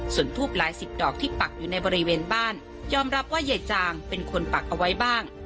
ส่วนทูบหลายสิบดอกที่ปักอยู่ในบริเวณบ้านยอมรับว่ายายจางเป็นคนปักเอาไว้บ้าง